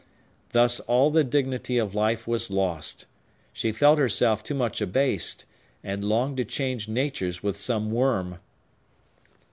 Thus all the dignity of life was lost. She felt herself too much abased, and longed to change natures with some worm!